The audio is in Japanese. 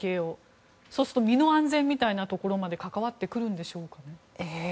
身の安全みたいなところまで関わってくるのでしょうか。